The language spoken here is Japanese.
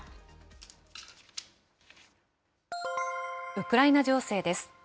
ウクライナ情勢です。